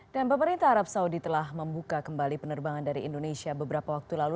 dan pemerintah arab saudi telah membuka kembali penerbangan dari indonesia beberapa waktu lalu